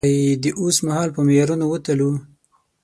که يې د اوسمهال په معیارونو وتلو.